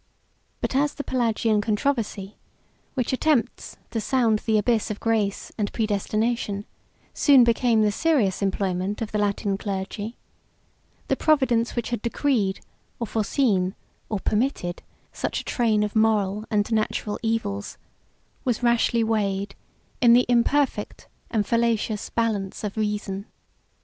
But as the Pelagian controversy, 92 which attempts to sound the abyss of grace and predestination, soon became the serious employment of the Latin clergy, the Providence which had decreed, or foreseen, or permitted, such a train of moral and natural evils, was rashly weighed in the imperfect and fallacious balance of reason.